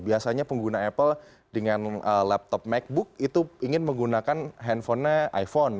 biasanya pengguna apple dengan laptop macbook itu ingin menggunakan handphonenya iphone